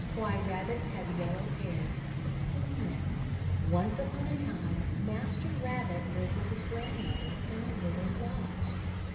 WHY RABBITS HAVE YELLOW HAIRS Sioux Myth ONCE upon a time, Master Rabbit lived with his grandmother in a little lodge.